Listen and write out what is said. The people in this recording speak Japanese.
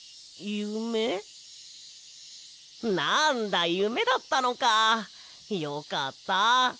なんだゆめだったのか。よかった。